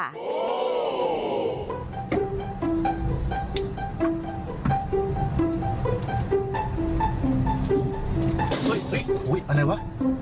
เฮ้ยอะไรวะ